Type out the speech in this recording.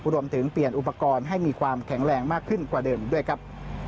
เปลี่ยนอุปกรณ์ให้มีความแข็งแรงมากขึ้นกว่าเดิมด้วยครับ